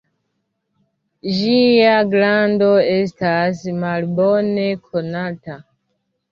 Ĝia grando estas malbone konata.